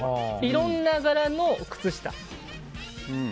いろんな柄の靴下。